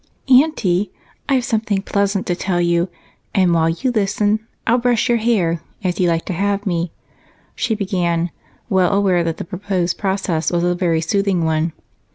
"Aunty, I've something pleasant to tell you, and while you listen, I'll brush your hair, as you like to have me," she began, well aware that the proposed process was a very soothing one.